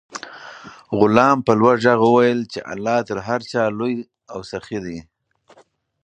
غلام په لوړ غږ وویل چې الله تر هر چا لوی سخي دی.